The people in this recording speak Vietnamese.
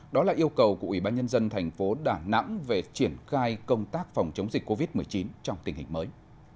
đó là yêu cầu của ủy ban nhân dân thành phố đà nẵng về triển khai công tác phòng chống dịch covid một mươi chín trong tình hình mới